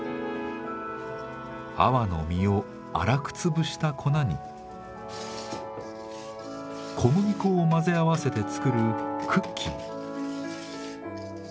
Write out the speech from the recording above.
アワの実を粗く潰した粉に小麦粉を混ぜ合わせて作るクッキー。